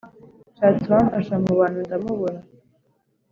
nshatse uwamfasha mu bantu, ndamubura!